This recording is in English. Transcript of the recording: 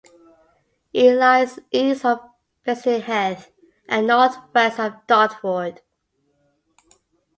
It lies east of Bexleyheath and north west of Dartford.